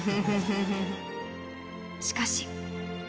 しかし。